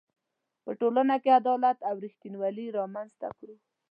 په ټولنه کې عدالت او ریښتینولي رامنځ ته کړو.